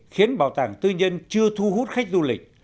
khiến bảo tàng tư nhân chưa thu hút khách du lịch